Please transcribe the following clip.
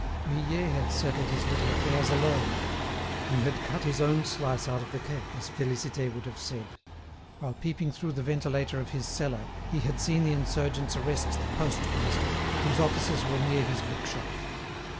Vuillet had settled his little affairs alone. He had cut his own slice out of the cake, as Félicité would have said. While peeping through the ventilator of his cellar he had seen the insurgents arrest the postmaster, whose offices were near his bookshop.